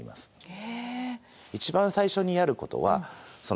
へえ。